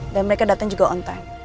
dan mereka dateng juga on time